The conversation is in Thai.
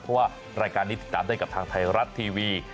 เพราะว่ารายการนี้ติดตามได้กับทางไทยรัฐทีวี